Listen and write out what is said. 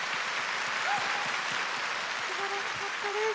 すばらしかったです。